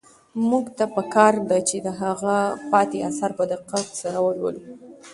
موږ ته په کار ده چې د هغه پاتې اثار په دقت سره ولولو.